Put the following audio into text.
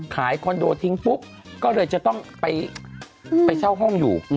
คอนโดทิ้งปุ๊บก็เลยจะต้องไปเช่าห้องอยู่